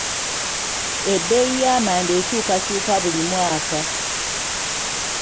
Ebbeeyi y'amanda ekyukakyuka buli mwaka.